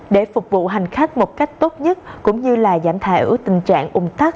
để phục vụ hành khách một cách tốt nhất cũng như là giảm thải tình trạng ung tắc